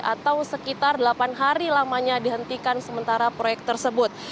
atau sekitar delapan hari lamanya dihentikan sementara proyek tersebut